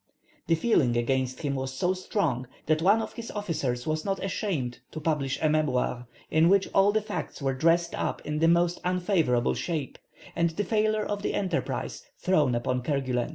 The feeling against him was so strong that one of his officers was not ashamed to publish a memoir, in which all the facts were dressed up in the most unfavourable shape, and the failure of the enterprise thrown upon Kerguelen.